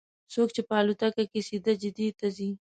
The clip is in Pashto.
څوک چې په الوتکه کې سیده جدې ته ځي.